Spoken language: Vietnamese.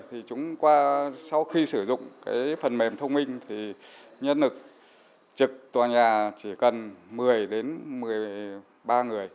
thì sau khi sử dụng cái phần mềm thông minh thì nhân lực trực tòa nhà chỉ cần một mươi đến một mươi ba người